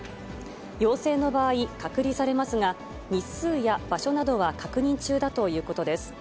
陽性の場合、隔離されますが、日数や場所などは確認中だということです。